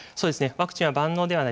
ワクチンは万能ではない。